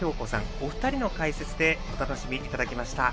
お二人の解説でお楽しみいただきました。